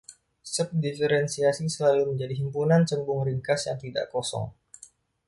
Subdiferensiasi selalu menjadi himpunan cembung ringkas yang tidak kosong.